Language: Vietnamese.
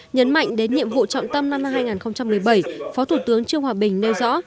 nhấn mạnh đến nhiệm vụ trọng tâm năm hai nghìn một mươi bảy phó thủ tướng trương hòa bình nêu rõ